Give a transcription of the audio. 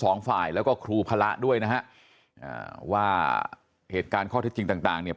สองฝ่ายแล้วก็ครูพระด้วยนะฮะอ่าว่าเหตุการณ์ข้อเท็จจริงต่างต่างเนี่ย